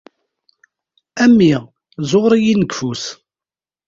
A mmi zuɣer-iyi-n deg ufus.